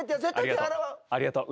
ありがとう。